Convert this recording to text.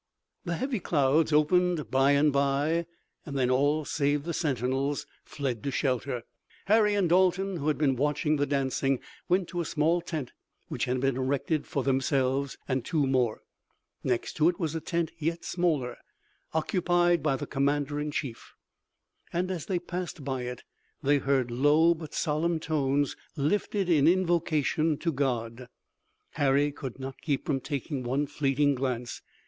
The heavy clouds opened bye and bye, and then all save the sentinels fled to shelter. Harry and Dalton, who had been watching the dancing, went to a small tent which had been erected for themselves and two more. Next to it was a tent yet smaller, occupied by the commander in chief, and as they passed by it they heard low but solemn tones lifted in invocation to God. Harry could not keep from taking one fleeting glance.